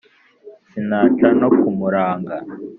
sinaca no ku muranga